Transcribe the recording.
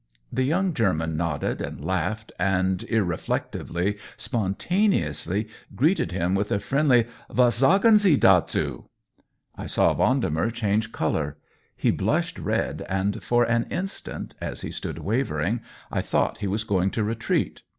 The young Ger man nodded and laughed and, irreflectively, spontaneously, greeted him with a friendly ^^IVas sagen Sie dazuV^ I saw Vendemer change color ; he blushed red, and, for an instant, as he stood wavering, I thought he was going to retreat.